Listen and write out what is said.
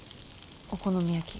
お好み焼き。